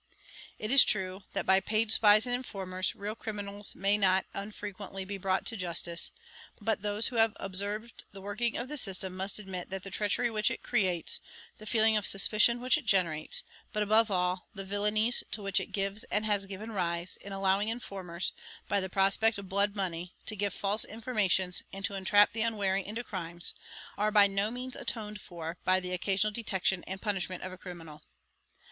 It is true, that by paid spies and informers, real criminals may not unfrequently be brought to justice; but those who have observed the working of the system must admit that the treachery which it creates the feeling of suspicion which it generates but, above all, the villanies to which it gives and has given rise, in allowing informers, by the prospect of blood money, to give false informations, and to entrap the unwary into crimes are by no means atoned for by the occasional detection and punishment of a criminal.